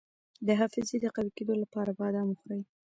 د حافظې د قوي کیدو لپاره بادام وخورئ